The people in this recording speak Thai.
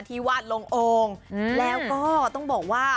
วาดลงโอ่งแล้วก็ต้องบอกว่า